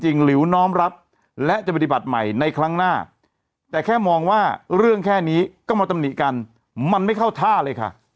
หลิวน้อมรับและจะปฏิบัติใหม่ในครั้งหน้าแต่แค่มองว่าเรื่องแค่นี้ก็มาตำหนิกันมันไม่เข้าท่าเลยค่ะ